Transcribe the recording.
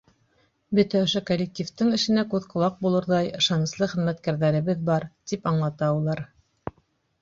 Бөтә ошо коллективтың эшенә күҙ-ҡолаҡ булырҙай ышаныслы хеҙмәткәрҙәребеҙ бар, — тип аңлата улар.